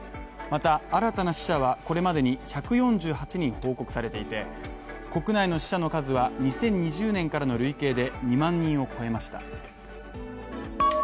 また新たな死者はこれまでに１４８人報告されていて国内の死者の数は、２０２０年からの累計で２万人を超えました。